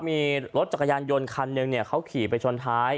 มีรถจักรยานยนต์คันหนึ่งเขาขี่ไปชนท้าย